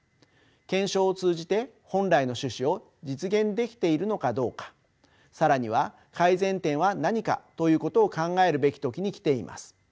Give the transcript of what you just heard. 検証を通じて本来の趣旨を実現できているのかどうか更には改善点は何かということを考えるべき時に来ています。